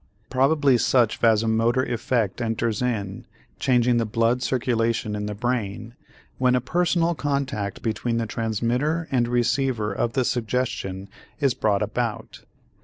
Probably such vasomotor effect enters in, changing the blood circulation in the brain, when a personal contact between the transmitter and receiver of the suggestion is brought about.